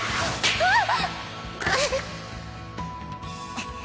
あっ！